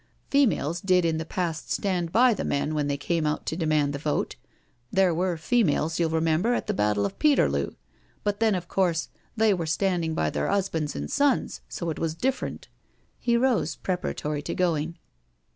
" Females did in the past stand by the men when they came out to demand the vote— there were females, you'll remember, at the battle of Peterloo — but then, of course, they were standing by their 'usbands and sons, so it was different." He rose preparatory to going.